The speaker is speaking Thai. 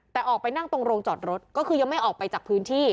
แต่ออกไปนั่งตรงโรงจอดรถก็คือยังไม่ออกไปจากพื้นที่